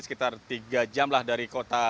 sekitar tiga jam lah dari kota